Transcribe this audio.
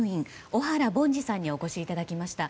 小原凡司さんにお越しいただきました。